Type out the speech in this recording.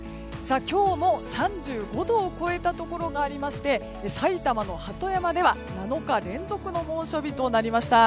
今日も３５度を超えたところがありまして埼玉の鳩山では７日連続の猛暑日となりました。